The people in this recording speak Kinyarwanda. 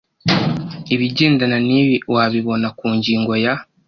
Ibigendana nibi wabibona ku ngingo ya